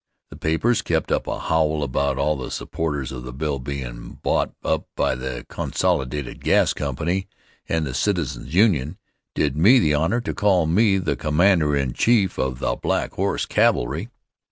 The papers kept up a howl about all the supporters of the bill bein' bought up by the Consolidated Gas Company, and the Citizens' Union did me the honor to call me the commander in chief of the "Black Horse Cavalry."